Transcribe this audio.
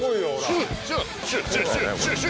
シュシュシュ！